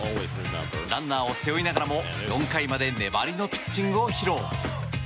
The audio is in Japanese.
ランナーを背負いながらも４回まで粘りのピッチングを披露。